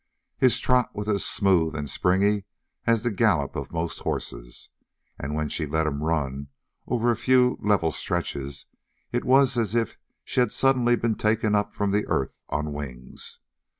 His trot was as smooth and springy as the gallop of most horses, and when she let him run over a few level stretches, it was as if she had suddenly been taken up from the earth on wings.